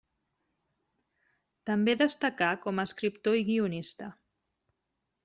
També destacà com a escriptor i guionista.